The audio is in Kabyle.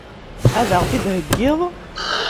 Ad ɣ-t-id-theggiḍ?